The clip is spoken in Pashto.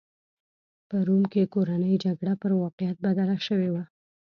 په روم کې کورنۍ جګړه پر واقعیت بدله شوې وه.